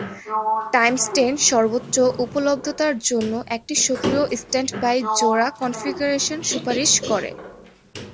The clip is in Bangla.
টাইমস টেন সর্বোচ্চ উপলব্ধতার জন্য একটি সক্রিয়-স্ট্যান্ডবাই জোড়া কনফিগারেশন সুপারিশ করে।